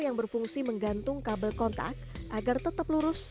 yang berfungsi menggantung kabel kontak agar tetap lurus